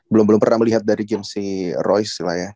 belum belum pernah melihat dari jam sea royce lah ya